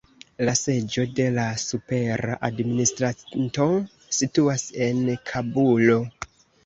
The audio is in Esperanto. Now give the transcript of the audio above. La seĝo de la supera administranto situas en Kabulo.